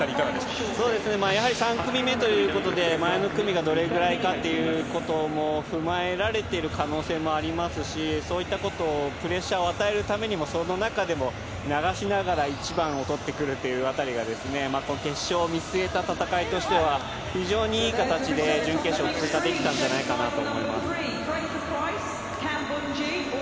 やはり３組目ということで前の組がどれくらいかっていうことも踏まえ慣れてる可能性がありますし、そういったことをプレッシャーを与えるためにもその中でも流しながら１番を取ってくるというあたりが決勝を見据えた戦いとしては非常に良い形で準決勝を戦ったんじゃないかなと思います。